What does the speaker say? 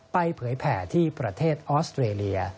เผยแผ่ที่ประเทศออสเตรเลีย